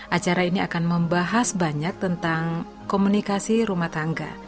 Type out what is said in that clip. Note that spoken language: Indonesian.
acara ini akan membahas banyak tentang komunikasi rumah tangga